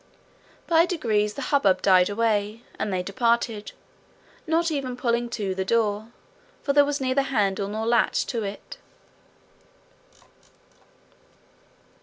By degrees the hubbub died away, and they departed, not even pulling to the door, for there was neither handle nor latch to it.